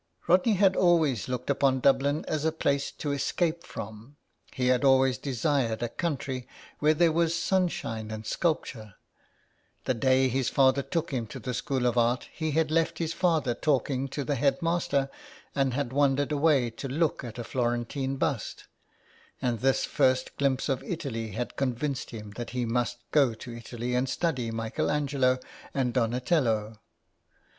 Rodney had always looked upon Dublin as a place to escape from. He had always desired a country where there was sunshine and sculpture. The day his father took him to the school of art he had left his father talking to the head master, and had wandered away to look at a Florentine bust, and this first glimpse of Italy had convinced him that he must go to Italy and study Michael Angelo and Donatello.